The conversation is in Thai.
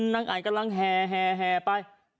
นางไห่กำลังแห่แห่แห่ไป